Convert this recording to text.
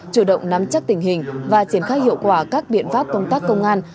chủ động nắm chắc tình hình và triển khai hiệu quả các biện pháp công tác công an